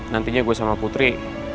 nantinya gue sama putri